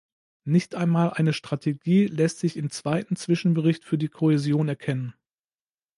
Nicht einmal eine Strategie lässt sich im zweiten Zwischenbericht für die Kohäsion erkennen.